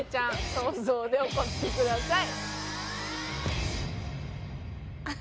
想像で怒ってください。